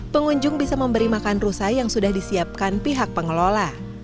pengunjung bisa memberi makan rusa yang sudah disiapkan pihak pengelola